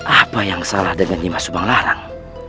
apa yang salah dengan nimas bang larang